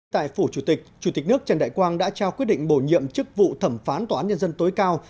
tại phủ chủ tịch chủ tịch nước trần đại quang đã trao quyết định bổ nhiệm chức vụ thẩm phán tòa án nhân dân tối cao